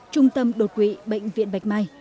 trung tâm đột quỵ bệnh viện bạch mai